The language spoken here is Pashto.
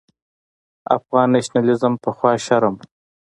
افغان نېشنلېزم پخوا شرم و.